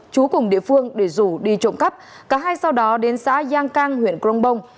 chú cùng địa phương để rủ đi trộm cắp cả hai sau đó đến xã giang cang huyện cronbong